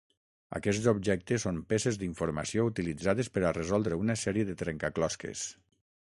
Aquests objectes són peces d'informació utilitzades per a resoldre una sèrie de trencaclosques.